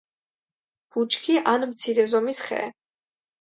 ბუჩქი ან მცირე ზომის ხე.